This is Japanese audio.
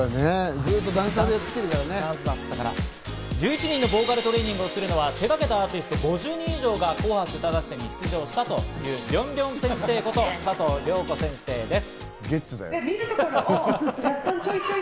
ずっとダ１１人のボーカルトレーニングをするのは、手がけたアーティスト５０人以上が『紅白歌合戦』に出場しているボーカルトレーナーの佐藤涼子先生です。